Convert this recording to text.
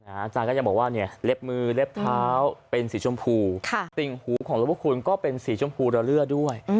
อาจารย์ก็ยังบอกว่าเนี่ยเล็บมือเล็บเท้าเป็นสีชมพูติ่งหูของหลวงพระคุณก็เป็นสีชมพูระเลือดด้วย